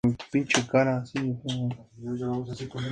Múltiples Ganadores